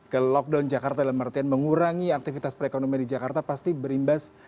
ke lockdown jakarta dalam artian mengurangi aktivitas perekonomian di jakarta pasti berimbas